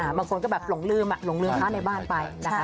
อ่าบางคนก็แบบหลงลืมอ่ะหลงเรือข้าวในบ้านไป